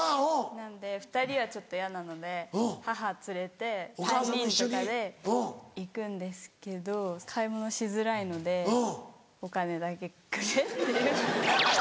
なんで２人はちょっと嫌なので母連れて３人とかで行くんですけど買い物しづらいのでお金だけくれっていう。